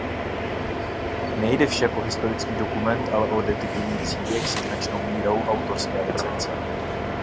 Nejde však o historický dokument ale o detektivní příběh se značnou mírou autorské licence.